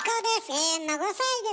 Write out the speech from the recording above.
永遠の５さいです。